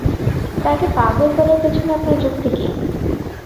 তাকে পাগল বলার পেছনে আপনার যুক্তি কী?